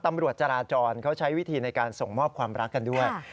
ตำรวจจราจรเขาใช้วิธีในการส่งมอบความรักกันด้วย